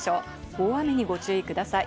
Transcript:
大雨にご注意ください。